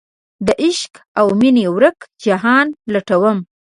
دعشق اومینې ورک جهان لټوم